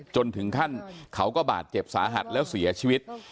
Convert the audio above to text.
จนถึงขั้นเขาก็บาดเจ็บสาหัสแล้วเสียชีวิต